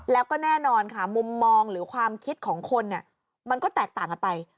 แล้วก็แน่นอนค่ะมุมมองหรือความคิดของคนมันก็แตกต่างกันไป